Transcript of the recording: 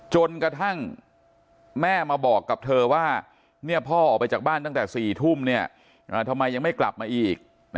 จนกระทั่งแม่มาบอกกับเธอว่าพ่อออกไปจากบ้านตั้งแต่๔ทุ่มทำไมยังไม่กลับมาอีก